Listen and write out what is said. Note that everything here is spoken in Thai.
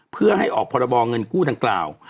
เพื่อให้ออกพรบเงินกู้ดังกล่าว